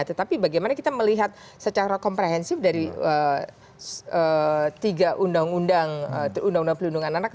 tetapi bagaimana kita melihat secara komprehensif dari tiga undang undang pelindungan anak